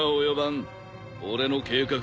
俺の計画